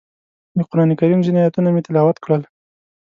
د قرانکریم ځینې ایتونه مې تلاوت کړل.